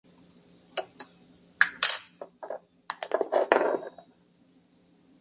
Posee servicios de sanitarios, restaurante, vendedores ambulantes y alquiler de artículos playeros, principalmente inflables.